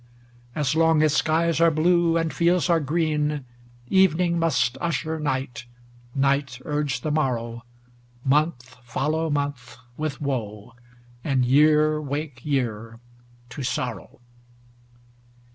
As long as skies are blue and fields are green, Evening must usher night, night urge the morrow. Month follow month with woe, and year wake year to sorrow.